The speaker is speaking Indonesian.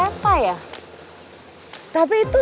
senang banget sih itu